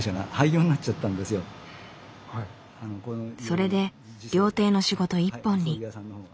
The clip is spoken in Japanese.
それで料亭の仕事一本に。